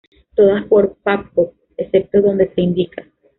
Todas por Pappo, excepto donde se indica.